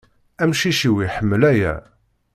Amcic-iw iḥemmel aya.